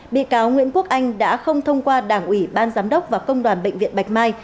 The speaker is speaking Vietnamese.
bị cáo nguyễn quốc anh đã không thông qua đảng ủy ban giám đốc và công đoàn bệnh viện bạch mai